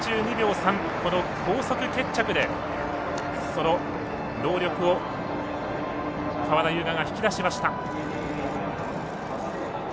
この高速決着で、その動力を川田将雅が引き出しました。